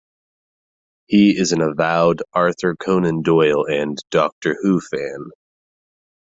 He is an avowed Arthur Conan Doyle and Doctor Who fan.